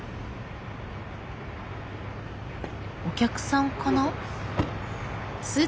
お客さんかな？